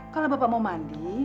kalau bapak mau mandi